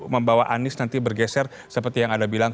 membawa anies nanti bergeser seperti yang anda bilang